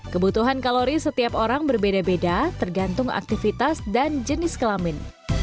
kebutuhan kalori setiap orang berbeda beda tergantung aktivitas dan jenis kelamin